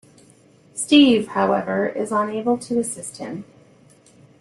Steve, however, is unable to assist him.